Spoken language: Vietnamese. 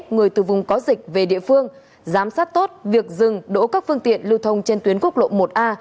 người từ vùng có dịch về địa phương giám sát tốt việc dừng đỗ các phương tiện lưu thông trên tuyến quốc lộ một a